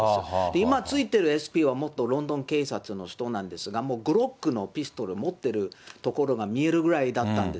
今ついてるＳＰは、元ロンドン警察の人なんですが、もうグロックのピストル持ってる所が見えるくらいだったんです。